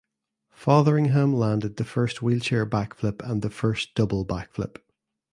Fotheringham landed the first wheelchair backflip and the first double backflip.